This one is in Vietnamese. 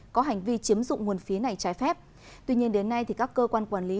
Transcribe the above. có hành vi chiếm dụng nguồn phí này trái phép tuy nhiên đến nay các cơ quan quản lý